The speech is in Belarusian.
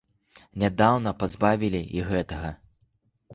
Нядаўна пазбавілі і гэтага.